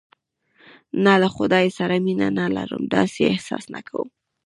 نه، له خدای سره مینه نه لرم، داسې احساس نه کوم.